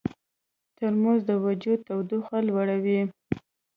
ترموز د وجود تودوخه لوړوي.